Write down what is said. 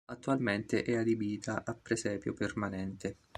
Attualmente è adibita a presepio permanente.